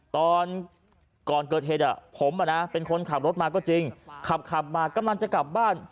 ตอนก่อนเกิดเหตุผมเป็นคนขับรถมาก็จริงขับขับมากำลังจะกลับบ้าน